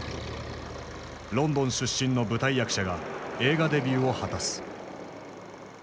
ロンドン出身の舞台役者が映画デビューを果たす。